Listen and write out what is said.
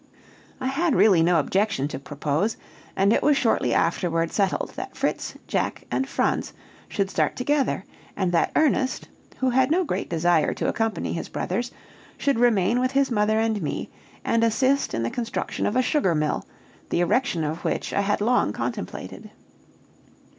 I had really no objection to propose; and it was shortly afterward settled that Fritz, Jack, and Franz should start together; and that Ernest, who had no great desire to accompany his brothers, should remain with his mother and me, and assist in the construction of a sugar mill, the erection of which I had long contemplated.